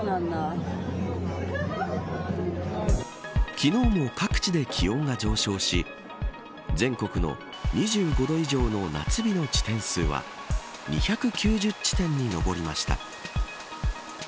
昨日も各地で気温が上昇し全国の２５度以上の夏日の地点数は２９０地点に上りました。